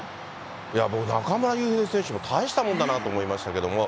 いや僕、中村悠平選手も大したもんだなと思いましたけども。